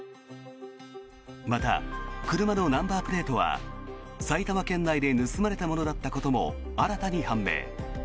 また、車のナンバープレートは埼玉県内で盗まれたものだったことも新たに判明。